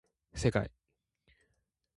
せかい